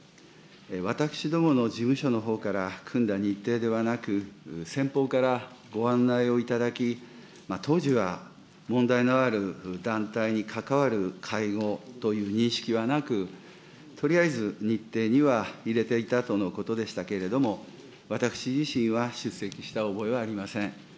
私どもの事務所のほうが組んだ日程ではなく、先方からご案内を頂き、当時は問題のある団体に関わる会合という認識はなく、とりあえず、日程には入れていたとのことでしたけれども、私自身は出席した覚えはありません。